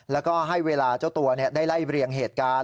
แล้วก็ให้เวลาเจ้าตัวได้ไล่เรียงเหตุการณ์